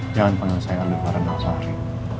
jangan panggil saya aldo farah nazari